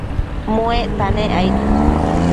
muecta nec aid